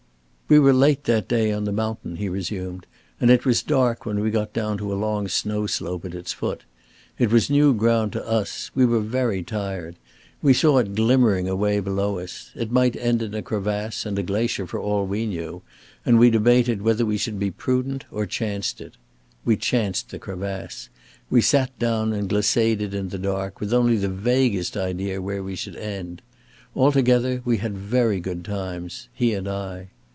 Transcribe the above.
"We were late that day on the mountain," he resumed, "and it was dark when we got down to a long snow slope at its foot. It was new ground to us. We were very tired. We saw it glimmering away below us. It might end in a crevasse and a glacier for all we knew, and we debated whether we should be prudent or chance it. We chanced the crevasse. We sat down and glissaded in the dark with only the vaguest idea where we should end. Altogether we had very good times, he and I.